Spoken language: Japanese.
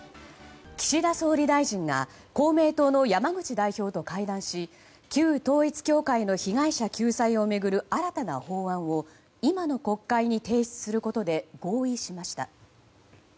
岸田総理大臣は公明党の山口代表と会談し旧統一教会の被害者救済を巡る新たな法案を今の国会に提出することで合意しました。